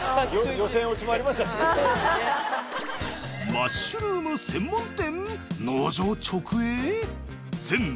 マッシュルーム専門店！？